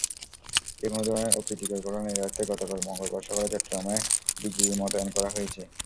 যেকোনো ধরনের অপ্রীতিকর ঘটনা এড়াতে গতকাল মঙ্গলবার সকালে চট্টগ্রামে বিজিবি মোতায়েন করা হয়েছে।